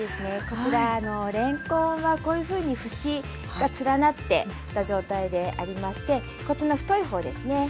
こちられんこんはこういうふうに節が連なってた状態でありましてこっちの太い方ですね